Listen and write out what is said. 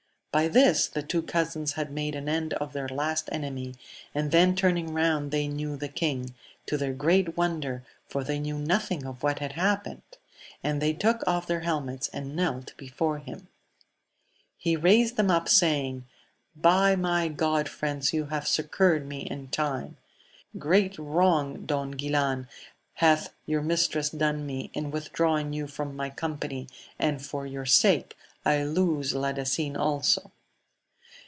I this the two cousins had made an end of their la enemy, and then turning round they knew the kin to their great wonder, for they knew nothing of whi had happened ; and they took off their helmets, ac knelt before him. He raised them up, saying, I my God, friends, you have succoured me in trm( great wrong, Don Guilan, hath your mistress done n in withdrawing you from my company, and for yoi sake I lose Ladasin also.